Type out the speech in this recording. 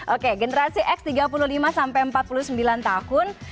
oke generasi x tiga puluh lima sampai empat puluh sembilan tahun